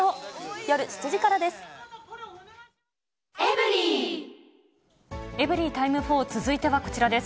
夜７時からです。